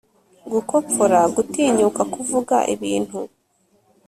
gukopfora gutinyuka kuvuga ibintu